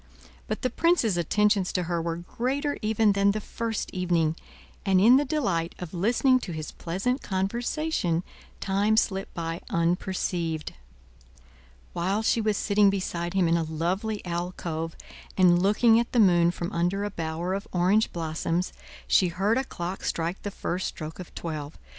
But the prince's attentions to her were greater even than the first evening, and in the delight of listening to his pleasant conversation, time slipped by unperceived. While she was sitting beside him in a lovely alcove, and looking at the moon from under a bower of orange blossoms, she heard a clock strike the first stroke of twelve.